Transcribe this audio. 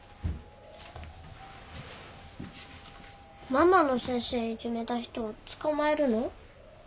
ママの先生いじめた人捕まえるの？